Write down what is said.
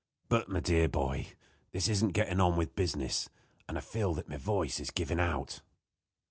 But, my dear boy, this isn't getting on with business, and I feel that my voice is giving out."